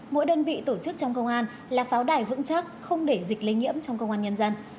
mỗi đơn vị tổ chức trong công an là pháo đài vững chắc không để dịch lây nhiễm trong công an nhân dân